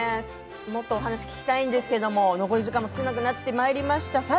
もっとお話聞きたいんですけど残り時間も少なくなってきました。